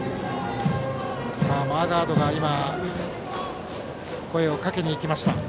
マーガードが声をかけに行きました。